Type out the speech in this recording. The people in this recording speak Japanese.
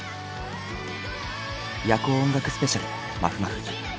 「夜光音楽スペシャルまふまふ」。